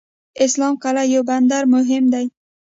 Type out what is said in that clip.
اسلام قلعه یو مهم بندر دی.